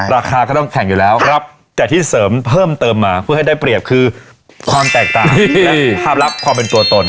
ราคาก็ต้องแข่งอยู่แล้วครับแต่ที่เสริมเพิ่มเติมมาเพื่อให้ได้เปรียบคือความแตกต่างภาพลักษณ์ความเป็นตัวตน